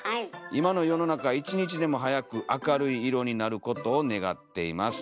今の世の中１日でも早く明るい色になる事を願っています。